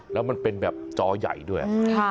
แล้วมันเป็นแบบจอใหญ่ด้วย